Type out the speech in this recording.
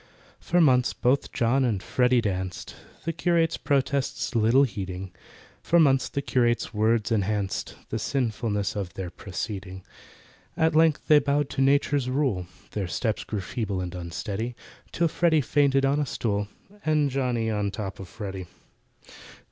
For months both JOHN and FREDDY danced, The curate's protests little heeding; For months the curate's words enhanced The sinfulness of their proceeding. At length they bowed to Nature's rule— Their steps grew feeble and unsteady, Till FREDDY fainted on a stool, And JOHNNY on the top of FREDDY.